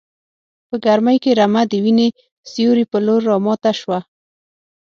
په ګرمۍ کې رمه د وینې سیوري په لور راماته شوه.